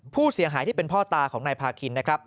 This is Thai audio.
ผู้เสียหายที่เป็นพ่อตาของนายพาคินนะครับ